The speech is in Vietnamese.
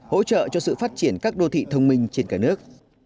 hỗ trợ cho sự phát triển các đô thị thông minh trên cả nước